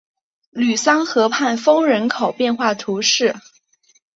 吕桑河畔丰人口变化图示